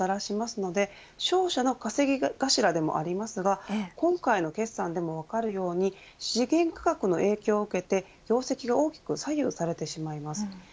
資源ビジネスは莫大な利益をもたらしますので商社の稼ぎ頭でもありますが今回の決算でも分かるように資源価格の影響を受けて業績が大きく左右されてしまいます。